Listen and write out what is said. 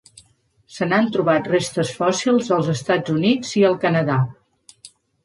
Se n'han trobat restes fòssils als Estats Units i el Canadà.